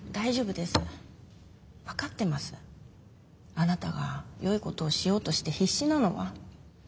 あなたがよいことをしようとして必死なのは。